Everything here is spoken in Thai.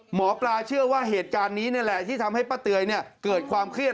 หมอปลาเชื่อว่าเหตุการณ์นี้นี่แหละที่ทำให้ป้าเตยเกิดความเครียด